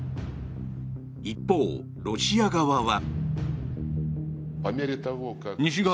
一方、ロシア側は。